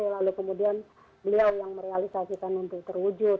lalu kemudian beliau yang merealisasikan untuk terwujud